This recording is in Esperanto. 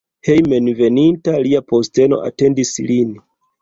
Hejmenveninta lia posteno atendis lin.